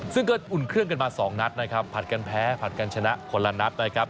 ซึ่งก็อุ่นเครื่องกันมา๒นัดนะครับผลัดกันแพ้ผลัดกันชนะคนละนัดนะครับ